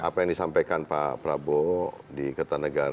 apa yang disampaikan pak prabowo di kertanegara